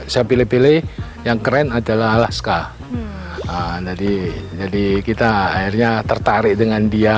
saya pilih pilih yang keren adalah alaska jadi kita akhirnya tertarik dengan dia